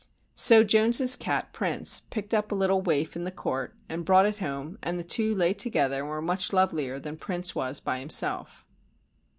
So Jones's cat, Prince, picked up a little waif in the court and brought it home, and the two lay together and were much lovelier than Prince was by himself.